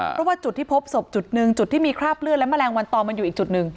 เพราะว่าจุดที่พบศพจุดหนึ่งจุดที่มีคราบเลือดและแมลงวันตอมันอยู่อีกจุดหนึ่ง